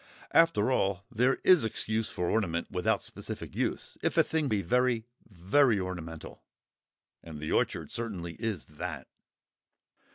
After all there is excuse for ornament without specific use, if a thing be very, very ornamental—and the orchard certainly is that.